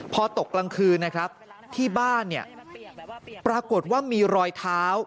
พอตกกลางคืนนะครับที่บ้านเนี่ยปรากฏว่ามีรอยเท้า